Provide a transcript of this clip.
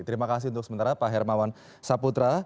terima kasih untuk sementara pak hermawan saputra